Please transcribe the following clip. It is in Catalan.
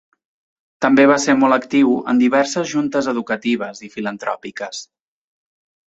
També va ser molt actiu en diverses juntes educatives i filantròpiques.